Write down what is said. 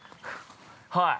◆はい。